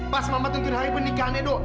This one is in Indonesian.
pas mama tentuin hari pernikahan edo